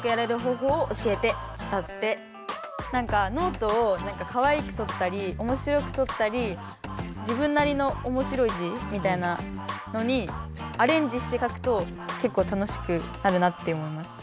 なんかノートをかわいくとったりおもしろくとったり自分なりのおもしろい字みたいなのにアレンジして書くとけっこう楽しくなるなって思います。